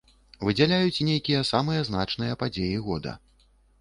Выдзяляюць нейкія самыя значныя падзеі года.